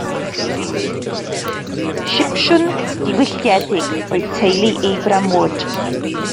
Sipsiwn diwylliedig oedd teulu Abram Wood.